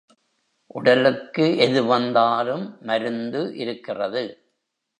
உடலுக்கு எது வந்தாலும் மருந்து இருக்கிறது.